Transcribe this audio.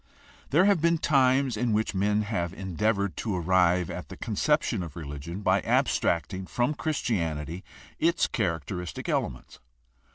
— There have been times in which men have endeavored to arrive at the conception of rehgion by abstracting from Christianity its characteristic elements.